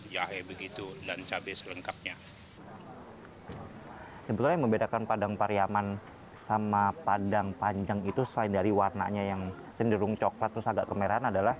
jahe begitu dan cabe selengkapnya yang membedakan padang pariyaman sama padang panjang itu selain